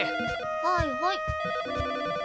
はいはい。